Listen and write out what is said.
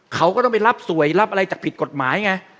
เขาก็ต้องไปรับสวยรับอะไรจากผิดกฎหมายไง